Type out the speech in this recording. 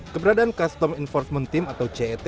keberadaan custom enforcement team atau cet